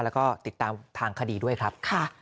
แล้วก็ติดตามทางคดีด้วยครับ